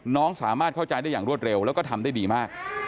น้องสามารถเข้าใจได้อย่างรวดเร็วแล้วก็ทำได้ดีมาก